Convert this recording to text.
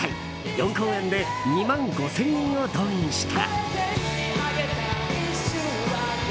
４公演で２万５０００人を動員した。